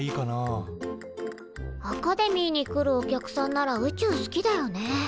アカデミーに来るお客さんなら宇宙好きだよね。